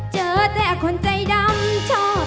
เจอแต่คนใจดำชอบ